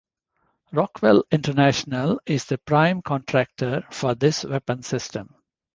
Rockwell International is the prime contractor for this weapon system.